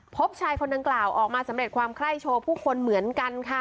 พบชายคนดังกล่าวออกมาสำเร็จความไคร้โชว์ผู้คนเหมือนกันค่ะ